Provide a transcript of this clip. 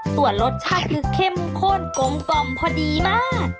ส่วนรสชาติคือเข้มข้นกลมกล่อมพอดีมาก